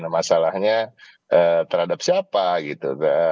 masalahnya terhadap siapa gitu